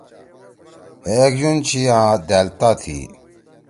ہے ایک یون چھی ان دأل تا تھی